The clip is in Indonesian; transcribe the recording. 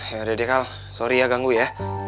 yaudah deh kal sorry ya ganggu ya